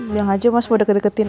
bilang aja mas pada deket deketin